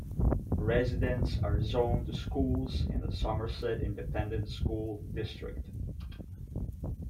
Residents are zoned to schools in the Somerset Independent School District.